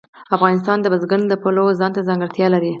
افغانستان د بزګان د پلوه ځانته ځانګړتیا لري.